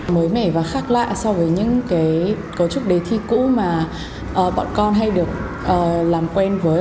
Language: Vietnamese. mới mẻ và khác lạ so với những cái cấu trúc đề thi cũ mà bọn con hay được làm quen với